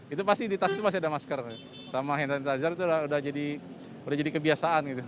itu pasti di tas itu pasti ada masker sama hand sanitizer itu udah jadi kebiasaan gitu